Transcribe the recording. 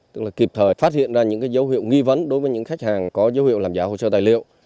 tức là kịp thời phát hiện ra những dấu hiệu nghi vấn đối với những khách hàng có dấu hiệu làm giả hồ sơ tài liệu